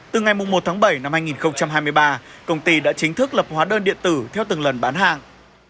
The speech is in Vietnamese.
từ ngày một tháng bảy năm hai nghìn hai mươi ba công ty đã chính thức lập hóa đơn điện tử theo từng lần bán hàng